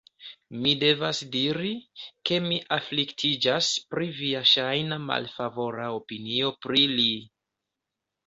Mi devas diri, ke mi afliktiĝas pri via ŝajna malfavora opinio pri li.